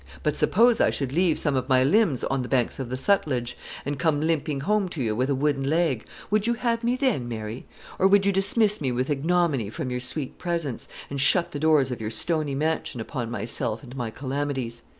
But suppose I should leave some of my limbs on the banks of the Sutlej, and come limping home to you with a wooden leg, would you have me then, Mary; or would you dismiss me with ignominy from your sweet presence, and shut the doors of your stony mansion upon myself and my calamities?